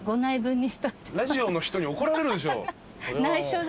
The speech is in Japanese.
ラジオの人に怒られるでしょ。